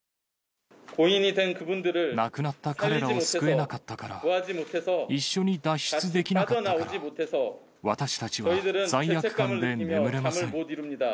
亡くなった彼らを救えなかったから、一緒に脱出できなかったから、私たちは罪悪感で眠れません。